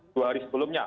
dua hari sebelumnya